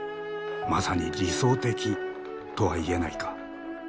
「まさに理想的」とは言えないか？